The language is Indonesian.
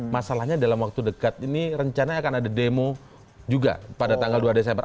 masalahnya dalam waktu dekat ini rencana akan ada demo juga pada tanggal dua desember